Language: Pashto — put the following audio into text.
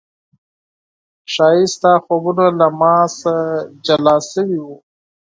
ښايي ستا خوبونه له ما څخه جلا شوي و